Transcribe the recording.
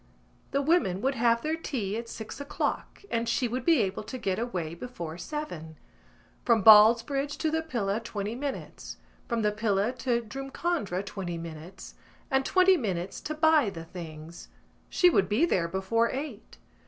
The women would have their tea at six o'clock and she would be able to get away before seven. From Ballsbridge to the Pillar, twenty minutes; from the Pillar to Drumcondra, twenty minutes; and twenty minutes to buy the things. She would be there before eight.